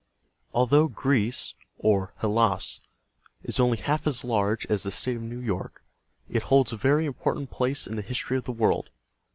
Although Greece (or Hel´las) is only half as large as the State of New York, it holds a very important place in the history of the world.